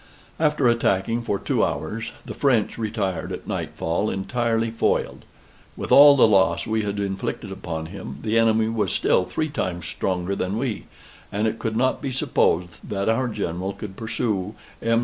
After attacking for two hours, the French retired at nightfall entirely foiled. With all the loss we had inflicted upon him, the enemy was still three times stronger than we: and it could not be supposed that our General could pursue M.